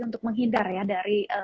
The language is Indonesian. untuk menghindar ya dari